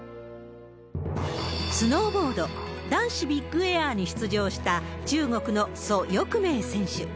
スノーボード男子ビッグエアに出場した、中国の蘇翊鳴選手。